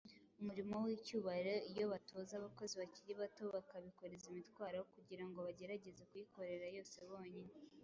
umurimo w’icyubahiro iyo batoza abakozi bakiri bato bakabikoreza imitwaro aho kugira ngo bagerageze kuyikorera yose bonyine.